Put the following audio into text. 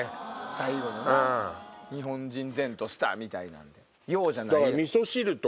最後の日本人然としたみたいな洋じゃない。